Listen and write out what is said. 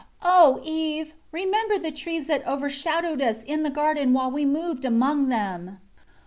O Eve! Remember the trees that overshadowed us in the garden while we moved among them.